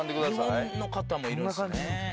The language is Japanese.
日本の方もいますね。